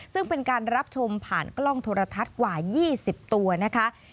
ซึ่งเป็นการรับชมผ่านกล้องโทรทัศน์กว่า๒๐ตัวนะคะ